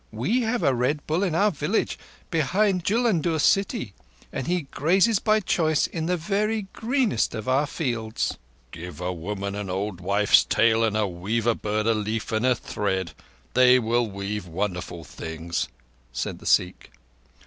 We have a Red Bull in our village behind Jullundur city, and he grazes by choice in the very greenest of our fields!" "Give a woman an old wife's tale and a weaver bird a leaf and a thread", they will weave wonderful things," said the Sikh.